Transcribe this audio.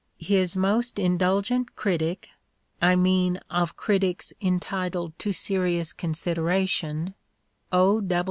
His most indulgent critic — I mean of critics entitled to serious consideration — O.